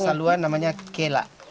ini kalau bahasa saluan namanya kela